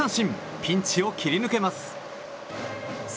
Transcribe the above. ピンチを切り抜けます。